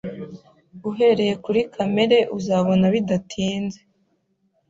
Uhereye kuri kamere uzabona bidatinze